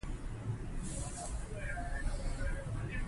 مور د کورني ژوند په مدیریت کې ماهر ده.